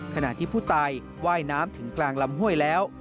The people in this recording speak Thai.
ขณะที่ผู้ตายว่ายน้ำถึงกลางลำห้วยแล้ว